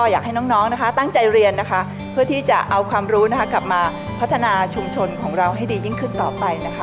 อยากให้น้องนะคะตั้งใจเรียนนะคะเพื่อที่จะเอาความรู้กลับมาพัฒนาชุมชนของเราให้ดียิ่งขึ้นต่อไปนะคะ